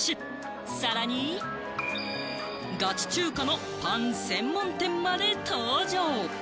さらにガチ中華のパン専門店まで登場。